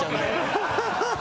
ハハハハ！